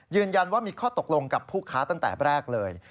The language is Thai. ยืนยันว่ามีข้อตกลงกับผู้ค้าตั้งแต่แรกเลย